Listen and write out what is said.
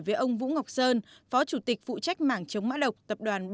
với ông vũ ngọc sơn phó chủ tịch phụ trách mảng chống mã độc tập đoàn ba